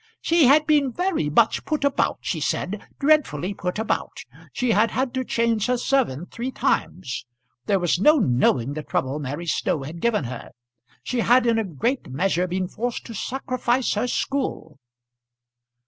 "She had been very much put about," she said, "dreadfully put about. She had had to change her servant three times. There was no knowing the trouble Mary Snow had given her. She had, in a great measure, been forced to sacrifice her school."